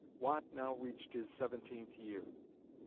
Watt now reached his seventeenth year.